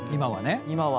今は。